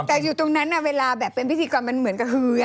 แต่อยู่ตรงนั้นเวลาแบบเป็นพิธีกรมันเหมือนกับฮือ